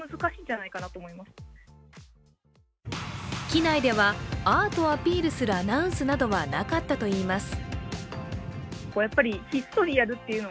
機内ではアートをアピールするアナウンスなどはなかったといいます。